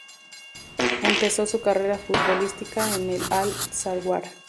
Empezó su carrera futbolística en el Al-Zawraa.